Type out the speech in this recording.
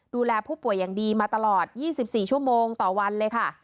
ดูแลผู้ป่วยอย่างดีมาตลอด๒๔ชั่วโมงต่อวันเลยค่ะ